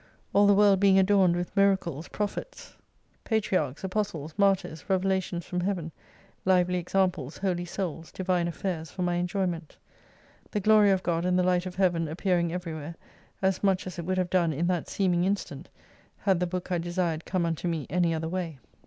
All the world being adorned with miracles, prophets, i8s patriarchs, apostles, martyrs, revelations from Heaven, lively examples, holy Souls, divine affairs for my enjoyment. The Glory of God and the Light of Heaven appearing everywhere, as much as it would have done in that seeming instant, had the Book I desired come unto me any other way.